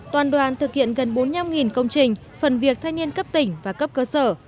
toàn đoàn thực hiện gần bốn mươi năm công trình phần việc thanh niên cấp tỉnh và cấp cơ sở